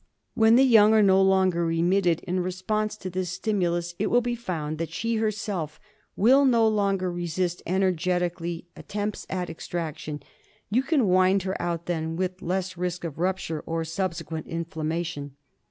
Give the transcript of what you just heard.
When the young are no longer emitted in response to this stimulus, it will be found that she herself will no longer resist energetically attempts at extraction. You can wind her out then with less risk of rupture or subsequent in flammation.